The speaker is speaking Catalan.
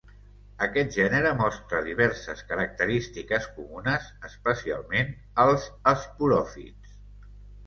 Aquest gènere mostra diverses característiques comunes especialment als esporòfits.